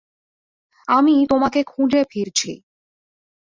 আমি তোমাকে খুঁজে ফিরছি।